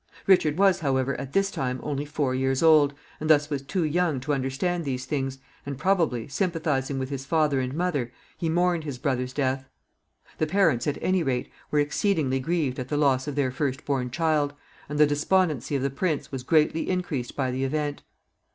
Richard was, however, at this time only four years old, and thus was too young to understand these things, and probably, sympathizing with his father and mother, he mourned his brother's death. The parents, at any rate, were exceedingly grieved at the loss of their first born child, and the despondency of the prince was greatly increased by the event.